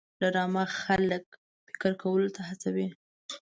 ډرامه خلک فکر کولو ته هڅوي